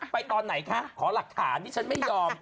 ตอนไหนคะขอหลักฐานที่ฉันไม่ยอม